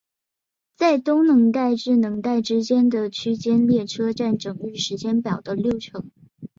在东能代至能代之间的区间列车占整日时间表的六成。